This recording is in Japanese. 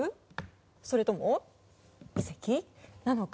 それとも移籍？なのか